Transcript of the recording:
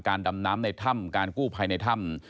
ดำน้ำในถ้ำการกู้ภัยในถ้ำ